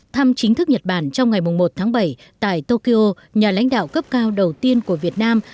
thăm chính thức nhật bản trong ngày một tháng bảy tại tokyo nhà lãnh đạo cấp cao đầu tiên của việt nam